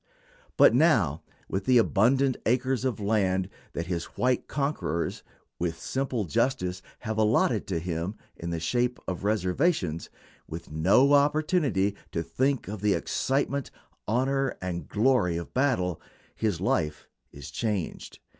But now, with the abundant acres of land that his white conquerors, with simple justice, have allotted to him in the shape of reservations, with no opportunity to think of the excitement, honor, and glory of battle, his life is changed.